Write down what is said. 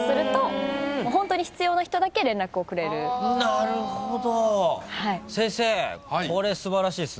なるほど。